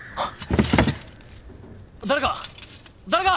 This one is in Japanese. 誰か誰か！